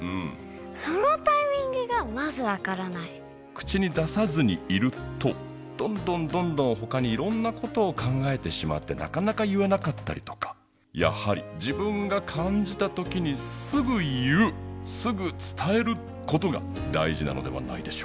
口に出さずにいるとどんどんどんどんほかにいろんなことを考えてしまってなかなか言えなかったりとかやはり自分がかんじたときにすぐ言う伝えることが大事なのではないでしょうか。